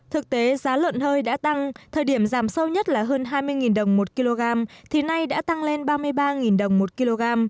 thực tế giá lợn hơi đã tăng thời điểm giảm sâu nhất là hơn hai mươi đồng một kg thì nay đã tăng lên ba mươi ba đồng một kg